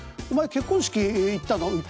「お前結婚式行ったの？」。